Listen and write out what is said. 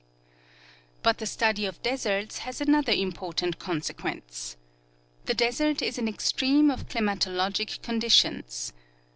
But the study of deserts has another imj^ortant consequence. The desert is an extreme of climatologic conditions.